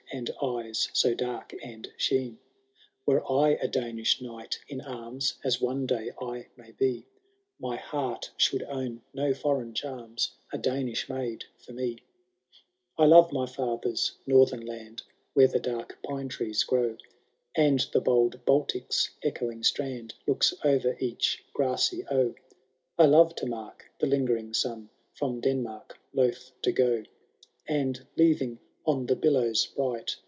And eyes so dark and sheen. 154 HAROLD THB DAUNTLESS. ComfO III. Were I a Danish knight in arms, As one day I may be, My heart should own no foreign charms^i^ A Danish maid for me. 2. I love my &ther'a northern land. Where the dark pine trees grow. And the bold Baltic's echoing strand Looks o'er each grassy oe.^ I love to mark the lingering sun. From Denmark loth to go. And leaving on the billows bright.